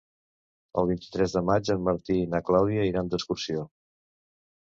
El vint-i-tres de maig en Martí i na Clàudia iran d'excursió.